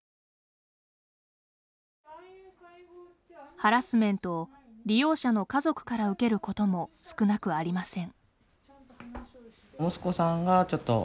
ハラスメントを利用者の家族から受けることも少なくありません。